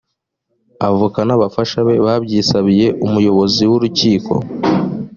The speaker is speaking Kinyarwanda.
avoka n’abafasha be babyisabiye umuyobozi w’urukiko